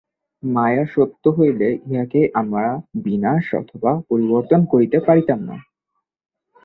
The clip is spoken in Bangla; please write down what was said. মায়া সত্য হইলে ইহাকে আমরা বিনাশ অথবা পরিবর্তন করিতে পারিতাম না।